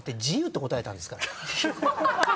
て答えたんですから。